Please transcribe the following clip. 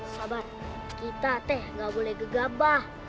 sabar kita teh gak boleh gegabah